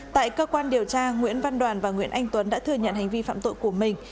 tại cơ quan điều tra nguyễn văn đoàn và nguyễn anh tuấn đã thừa nhận hành vi phạm tội của mình